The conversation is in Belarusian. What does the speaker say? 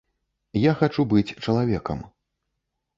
Я хачу быць чалавекам.